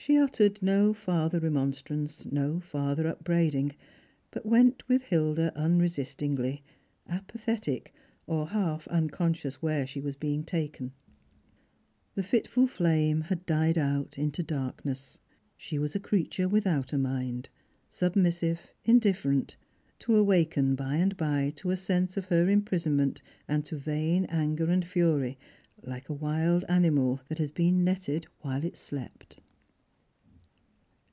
She uttered no farther remonstrance, no farther upbraiding, but went with Hilda un resistingly, apathetic, or half unconscious where she was being taken. The fitful fiame had died out into darkness. She was a creature without a mind ; submissive, inditierent; to awaken by and by to a sense of her imprisonment and tc vain anger and fuiy, like a wild animal that has been netted while it slept.